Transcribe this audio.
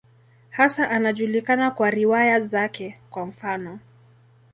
Hasa anajulikana kwa riwaya zake, kwa mfano.